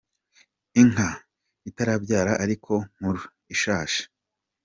Inka itarabyara ariko nkuru : Ishashi.